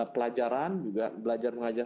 pelajaran juga belajar belajar